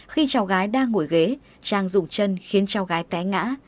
khi cháu gái đang ngồi ghế trang dùng chân khiến cháu gái té ngã